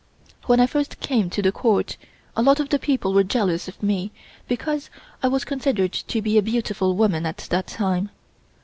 When I first came to the Court, a lot of the people were jealous of me because I was considered to be a beautiful woman at that time.